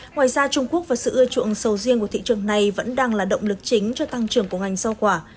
ngoài ra trung quốc và sự ưa chuộng sầu riêng của thị trường này vẫn đang là động lực chính cho tăng trưởng của ngành rau quả